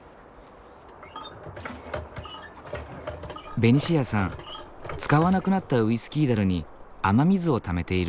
ベニシアさん使わなくなったウイスキー樽に雨水をためている。